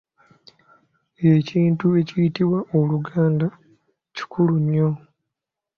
Ekintu ekiyitibwa “Oluganda” kikulu nnyo.